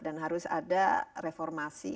dan harus ada reformasi